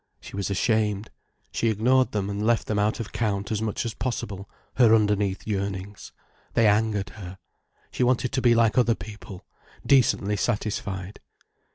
She was ashamed. She ignored them and left them out of count as much as possible, her underneath yearnings. They angered her. She wanted to be like other people, decently satisfied.